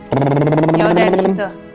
eh yaudah disitu